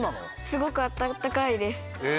すごく暖かいです。